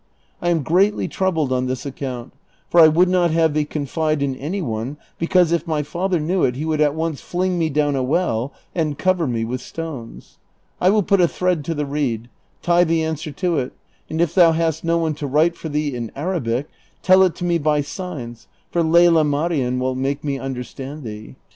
1 ani greatly troubled on this account, for 1 would not have thee confide in any one, because if my father knew it he would at once fling me down a well and cover me Avith stones. I will 2iut a thread to the reed ; tie the answer to it, and if thou hast no one to write for thee in Arabic, tell it to me by signs, for Lela Marien will make me un dei'stand thee.